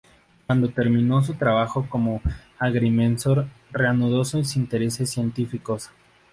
Cuando terminó su trabajo como agrimensor, reanudó sus intereses científicos.